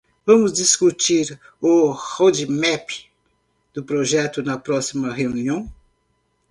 Vamos discutir o roadmap do projeto na próxima reunião.